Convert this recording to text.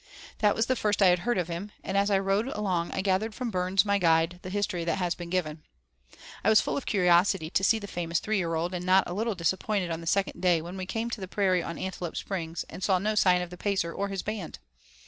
This was the first I had heard of him, and as I rode along I gathered from Burns, my guide, the history that has been given. I was full of curiosity to see the famous three year old, and was not a little disappointed on the second day when we came to the prairie on Antelope Springs and saw no sign of the Pacer or his band.